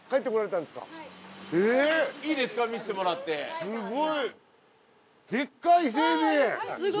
すごい。